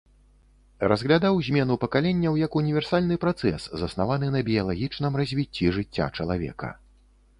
Разглядаў змену пакаленняў як універсальны працэс, заснаваны на біялагічным развіцці жыцця чалавека.